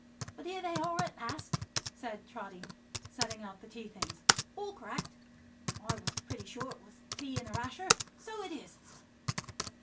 "But here they are at last," said Trotty, setting out the tea things, "all correct! I was pretty sure it was tea and a rasher. So it is.